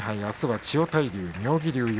あすは千代大龍